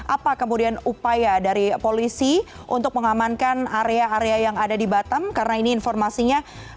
apa kemudian upaya dari polisi untuk mengamankan area area yang ada di batam karena ini informasinya